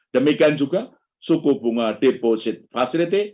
demikian juga suku bunga deposit facility